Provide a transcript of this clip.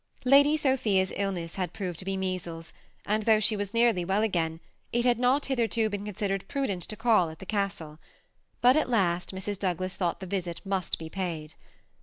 Lady Sophia's illness had proved to be measles ; and though she was nearly well again, it had not hitherto THE BEMI ATTACHED * COUPLE. 241 been considered prudent to call at the castle ; bat at last Mrs. Douglas thought the visit must be paid.